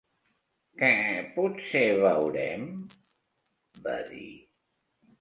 "Que potser veurem", va dir.